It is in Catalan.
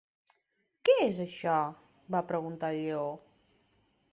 Què és això? va preguntar el lleó.